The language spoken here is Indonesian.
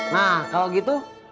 nah kalau gitu